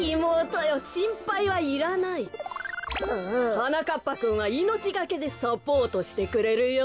はなかっぱくんはいのちがけでサポートしてくれるよ。